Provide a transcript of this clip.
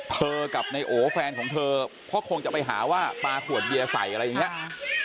เธอกับนายโอแฟนของเธอเพราะคงจะไปหาว่าปลาขวดเบียร์ใส่อะไรอย่างเงี้ย